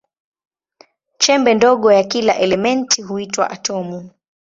Chembe ndogo ya kila elementi huitwa atomu.